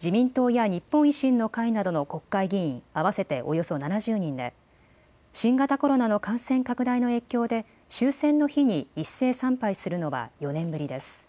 自民党や日本維新の会などの国会議員合わせておよそ７０人で新型コロナの感染拡大の影響で終戦の日に一斉参拝するのは４年ぶりです。